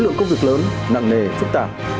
có lượng công việc lớn nặng nề phức tạp